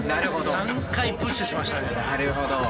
３回プッシュしましたね。